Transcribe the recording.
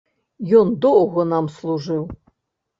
Ён доўга нам служыў.